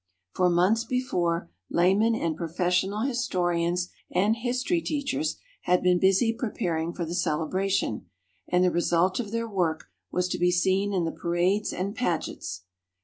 For months before, laymen and professional historians and history teachers had been busy preparing for the celebration, and the result of their work was to be seen in the parades and pageants.